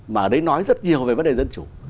mà ở đây nói rất nhiều về vấn đề dân chủ